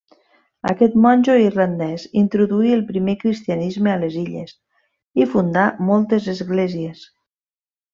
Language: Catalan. Aquest monjo irlandès introduí el primer cristianisme a les illes i fundà moltes esglésies.